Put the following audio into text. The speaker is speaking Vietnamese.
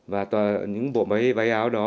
và những bộ váy áo đó